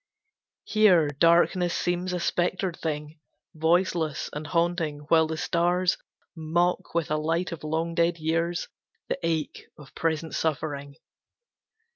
Here darkness seems a spectred thing, Voiceless and haunting, while the stars Mock with a light of long dead years The ache of present suffering.